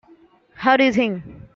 How do you think?